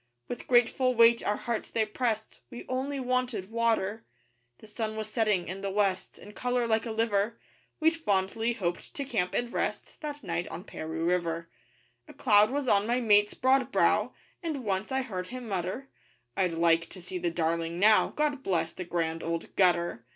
With grateful weight our hearts they pressed We only wanted water. The sun was setting (in the west) In colour like a liver We'd fondly hoped to camp and rest That night on Paroo River. A cloud was on my mate's broad brow, And once I heard him mutter: 'I'd like to see the Darling now, 'God bless the Grand Old Gutter!